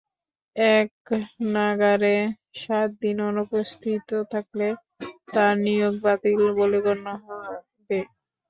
একনাগাড়ে সাত দিন অনুপস্থিত থাকলে তাঁর নিয়োগ বাতিল বলে গণ্য হবে।